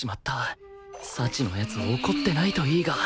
幸の奴怒ってないといいが